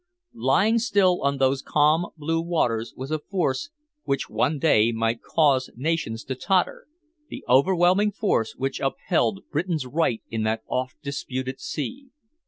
Lying still on those calm blue waters was a force which one day might cause nations to totter, the overwhelming force which upheld Britain's right in that oft disputed sea.